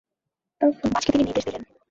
তখন মাছকে তিনি নির্দেশ দিলেন।